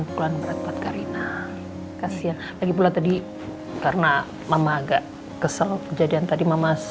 pukulan berat buat karina kasihan lagi pula tadi karena mama agak kesel kejadian tadi mamas